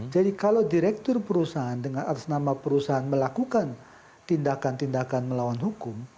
kalau direktur perusahaan dengan atas nama perusahaan melakukan tindakan tindakan melawan hukum